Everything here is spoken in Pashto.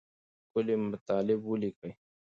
ښکلي مطالب ولیکئ.